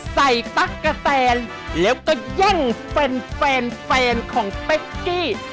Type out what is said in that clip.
ตั๊กกะแตนแล้วก็แย่งแฟนของเป๊กกี้